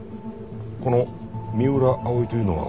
この三浦葵というのは？